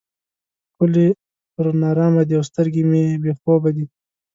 ښکلي پر نارامه دي او سترګې مې بې خوبه دي.